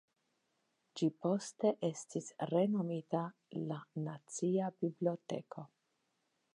Ĝi poste estis renomita la Nacia Biblioteko.